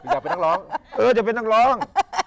อยากเป็นนักร้องเอออยากเป็นนักร้อง